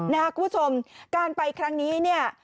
คุณผู้ชมการไปครั้งนี้เนี่ย